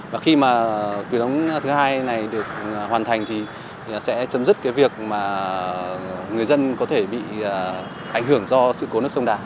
và khi tuyển ống thứ hai này được hoàn thành thì sẽ chấm dứt việc người dân có thể bị ảnh hưởng do sự cố nước sông đà